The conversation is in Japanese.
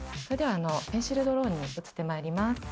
それではペンシルドローに移ってまいります。